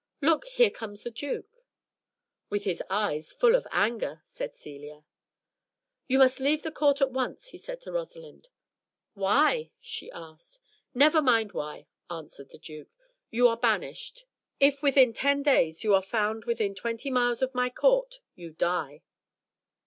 Look, here comes the duke." "With his eyes full of anger," said Celia. "You must leave the court at once," he said to Rosalind. "Why?" she asked. "Never mind why," answered the duke, "you are banished. If within ten days you are found within twenty miles of my court, you die."